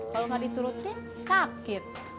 kalo gak diturutin sakit